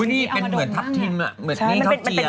อุ๊ยนี่เหมือนทัพทิมเหมือนข้าวเจีย